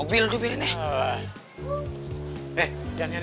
pintu yang zien